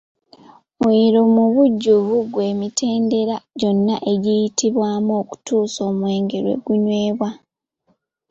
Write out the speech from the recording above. Muyiiro mu bujjuvu gy’emitendera gyonna egiyitibwamu okutuusa omwenge lwe gunywebwa.